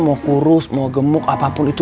mau kurus mau gemuk apapun itu